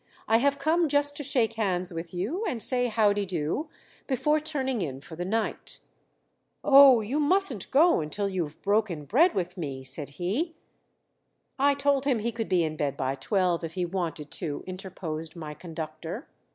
I have come just to shake hands with you and say howdido, before turning in for the night." "Oh, you mustn't go until you have broken bread with me," said he. "I told him he could be in bed by twelve if he wanted to," interposed my conductor.